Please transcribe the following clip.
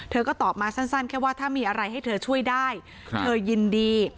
ก็ตอบมาสั้นแค่ว่าถ้ามีอะไรให้เธอช่วยได้เธอยินดี